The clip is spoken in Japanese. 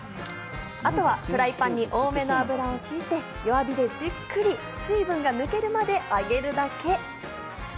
あとはフライパンに多めの油を敷いて、弱火でじっくり水分が抜けるまで揚げるだけ。